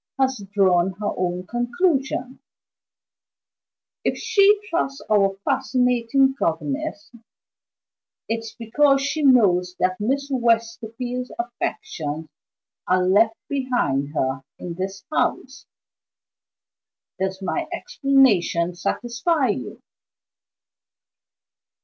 has drawn her own conclusions. If she trusts our fascinating governess, it's because she knows that Miss Westerfield's affections are left behind her in this house. Does my explanation satisfy you?"